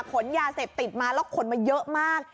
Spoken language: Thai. ขนยาเสพติดมาแล้วขนมาเยอะมาก